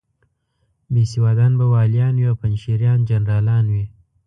بېسوادان به والیان وي او پنجشیریان جنرالان وي.